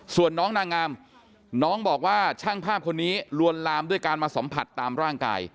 ส่วนน้องนางงามน้องบอกว่าช่างภาพคนนี้ลวนลามด้วยการมาสัมผัสตามร่างกาย